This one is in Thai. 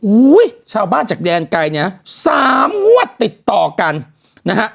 อุ้ยชาวบ้านจากแดนไกลเนี่ยสามงวดติดต่อกันนะฮะ